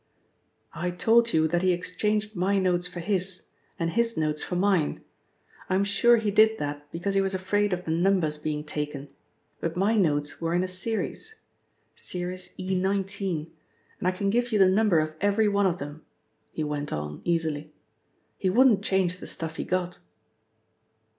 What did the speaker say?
"I told you that he exchanged my notes for his, and his notes for mine. I'm sure he did that because he was afraid of the numbers being taken, but my notes were in a series series E. 19, and I can give you the number of every one of them," he went on easily. "He wouldn't change the stuff he got."